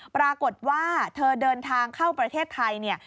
ปรากฏว่าเธอเดินทางเข้าประเทศไทยเนี่ย